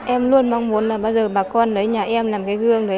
em luôn mong muốn là bao giờ bà con đấy nhà em làm cái gương đấy